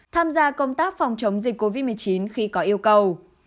tham gia công tác phòng chống dịch covid một mươi chín khi có yêu cầu